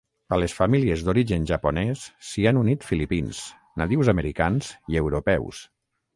A les famílies d'origen japonès s'hi han unit filipins, nadius americans i europeus.